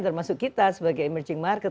termasuk kita sebagai emerging market